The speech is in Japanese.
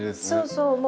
そうそう。